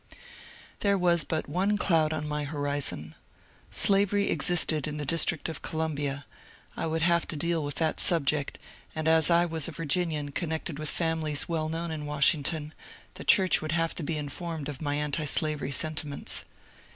There was but one cloud on my horizon. Slavery existed in y the District of Columbia ; I would have to deal with that subject ; and as I was a Virginian connected with families well known in Washington, the church would have to be ^ informed of my antislavery sentiments.